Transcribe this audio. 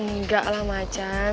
nggak lah macan